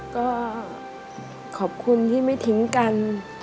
ก็ขอบคุณที่ไม่ทิ้งกัน